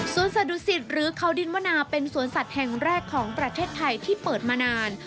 สัตุศิษย์หรือเขาดินวนาเป็นสวนสัตว์แห่งแรกของประเทศไทยที่เปิดมานาน